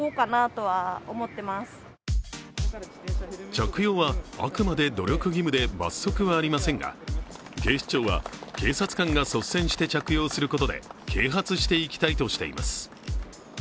着用はあくまで努力義務で罰則はありませんが、警視庁は、警察官が率先して着用することで啓発していきたいとしています。